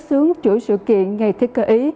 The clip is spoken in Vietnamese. xuống chuỗi sự kiện ngày thiết cơ ý